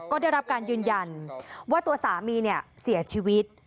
ก็ได้รับการยืนยันว่าตัวสามีเนี่ยเสียชีวิต